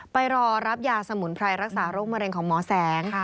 ไปรอรับยาสมุนไพรรักษาโรคมะเร็งของหมอแสง